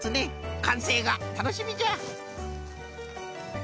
かんせいがたのしみじゃ！